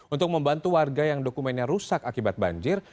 untuk membantu warga yang dokumennya rusak akibat banjir